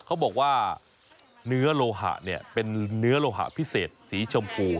เขาบอกว่าเนื้อโลหะเนี่ยเป็นเนื้อโลหะพิเศษสีชมพู